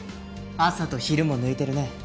朝と昼も抜いてるね。